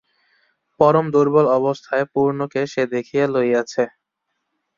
পরম দুর্বল অবস্থায় পূর্ণকে সে দেখিয়া লইয়াছে।